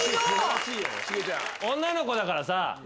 女の子だからさ